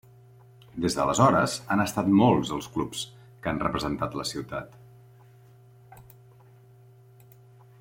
Des d'aleshores han estat molts els clubs que han representat la ciutat.